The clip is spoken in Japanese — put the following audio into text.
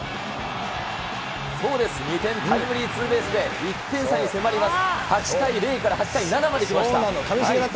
そうです、２点タイムリーツーベースで１点差に迫ります。